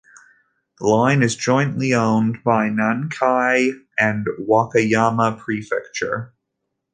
The line is jointly owned by Nankai and Wakayama Prefecture.